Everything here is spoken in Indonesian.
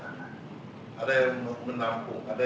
ya artinya di sini apakah